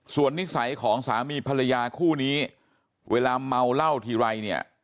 ส่วนนิสัยของสามีภรรยาคู่นี้เวลาเมาเหล้าทีไรเนี่ย